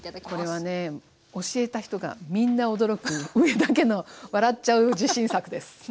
これはね教えた人がみんな驚く上田家の笑っちゃう自信作です。